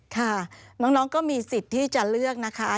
ค่ะน้องก็มีสิทธิ์ที่จะเลือกนะคะ